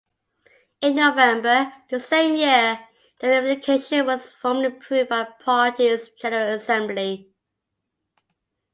In November the same year, the unification was formally approved by party's general assembly.